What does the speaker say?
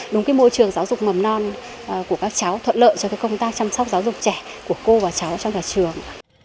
đúng môi trường giáo dục mầm non của các cháu thuận lợi cho công tác chăm sóc giáo dục trẻ của cô và cháu trong nhà trường